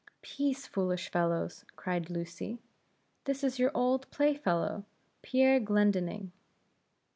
"Peace, foolish fellows," cried Lucy "this is your old play fellow, Pierre Glendinning."